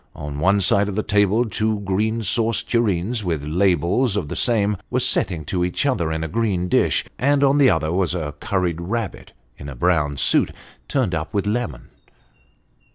On one side of the table two green sauce tureens, with ladles of the same, were setting to each other in a green dish ; and on the other was a curried rabbit, in a brown suit, turned up with lemon.